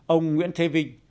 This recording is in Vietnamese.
ông nguyễn thê vinh